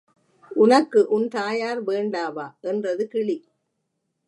உனக்கு உன் தாயார் வேண்டாவா? என்றது கிளி.